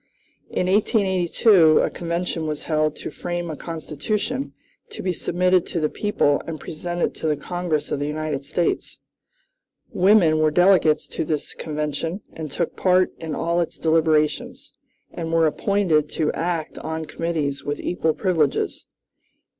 "In 1882 a convention was held to frame a constitution to be submitted to the people and presented to the Congress of the United States. Women were delegates to this convention, and took part in all its deliberations, and were appointed to act on committees with equal privileges.